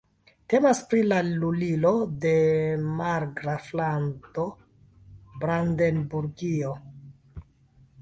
Temas pri la lulilo de Margraflando Brandenburgio.